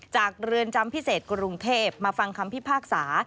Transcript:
เรือนจำพิเศษกรุงเทพมาฟังคำพิพากษา